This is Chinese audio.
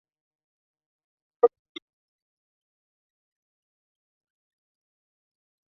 夏木胜幸是一名成绩顶尖的优等高中生。